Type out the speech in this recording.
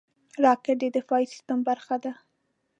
راکټ د دفاعي سیستم برخه ده